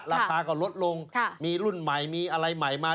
ราคาก็ลดลงมีรุ่นใหม่มีอะไรใหม่มา